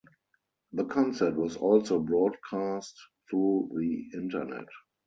The concert was also broadcast through the Internet.